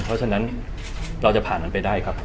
เพราะฉะนั้นเราจะผ่านนั้นไปได้ครับ